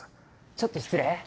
ちょっと失礼。